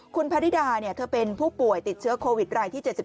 คุณพระนิดาเธอเป็นผู้ป่วยติดเชื้อโควิดรายที่๗๒